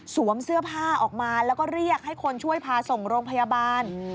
เสื้อผ้าออกมาแล้วก็เรียกให้คนช่วยพาส่งโรงพยาบาล